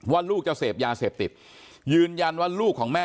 ลูกจะเสพยาเสพติดยืนยันว่าลูกของแม่